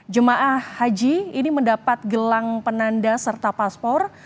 jemaah haji ini mendapat gelang penanda serta paspor